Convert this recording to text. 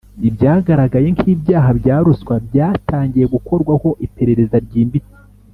ibyagaragaye nk’ibyaha bya ruswa byatangiye gukorwaho iperereza ryimbitse.